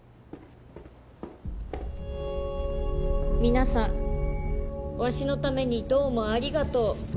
「皆さんわしのためにどうもありがとう。